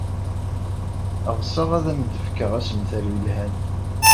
Ɣseɣ ad am-d-fkeɣ assemter yelhan.